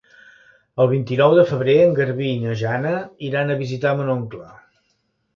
El vint-i-nou de febrer en Garbí i na Jana iran a visitar mon oncle.